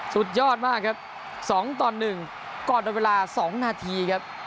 สุดยอดมากครับ๒๑กรดโดยเวลา๒นาที